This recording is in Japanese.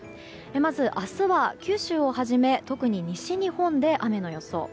まず明日は九州をはじめ特に西日本で雨の予想。